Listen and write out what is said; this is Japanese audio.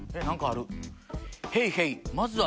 何かある。